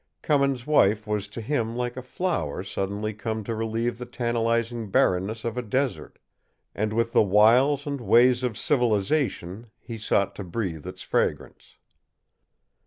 Cummins' wife was to him like a flower suddenly come to relieve the tantalizing barrenness of a desert; and with the wiles and ways of civilization he sought to breathe its fragrance.